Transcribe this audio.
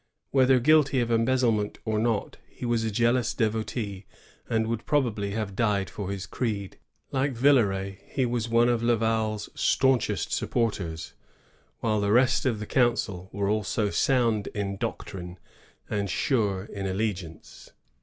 Whether guilty of embezzlement or not, he was a zealous devotee, and would probably have died for his creed. Like Villeray, he was one of Laval's stanchest supporters, while the rest of the council were also sound in doctrine and sure in allegiance.